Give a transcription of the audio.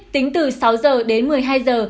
tính từ sáu giờ đến một mươi hai giờ